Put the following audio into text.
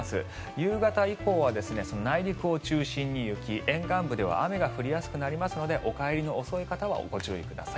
夕方以降は内陸を中心に雪沿岸部では雨が降りやすくなりますのでお帰りの遅い方はご注意ください。